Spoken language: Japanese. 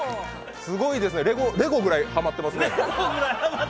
すごいですね、レゴぐらいハマってますね。